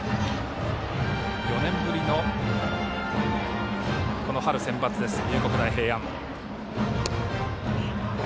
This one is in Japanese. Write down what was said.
４年ぶりの春センバツ龍谷大平安。